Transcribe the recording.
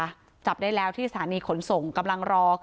ไปโบกรถจักรยานยนต์ของชาวอายุขวบกว่าเองนะคะ